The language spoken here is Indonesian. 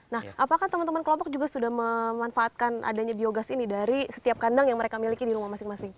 nah apakah teman teman kelompok juga sudah memanfaatkan adanya biogas ini dari setiap kandang yang mereka miliki di rumah masing masing